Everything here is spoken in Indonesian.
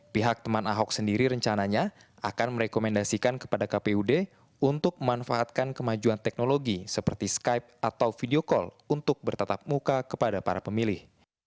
pihak teman ahok sendiri rencananya akan merekomendasikan kepada kpud untuk memanfaatkan kemajuan teknologi seperti skype atau video call untuk bertatap muka kepada para pemilih